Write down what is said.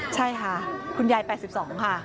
ใช่ค่ะคุณยาย๘๒ค่ะ